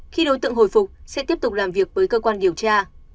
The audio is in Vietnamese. khi đối tượng hồi phục sẽ tiếp tục làm việc với cơ quan điều tra